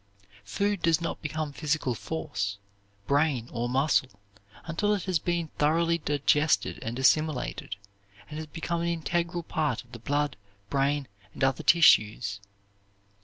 Food does not become physical force, brain, or muscle until it has been thoroughly digested and assimilated, and has become an integral part of the blood, brain, and other tissues.